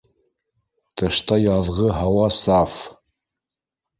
Тышта яҙғы һауа саф